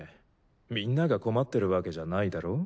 みんなが困ってるわけじゃないだろ。